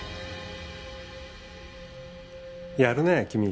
やるね君。